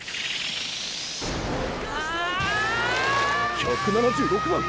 １７６番！？